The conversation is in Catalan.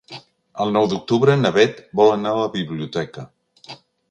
El nou d'octubre na Bet vol anar a la biblioteca.